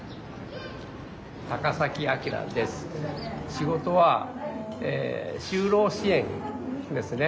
仕事は就労支援ですね。